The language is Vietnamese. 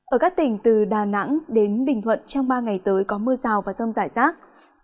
ở các tỉnh từ đà nẵng đến bình thuận trong ba ngày tới có mưa rào và rông rải rác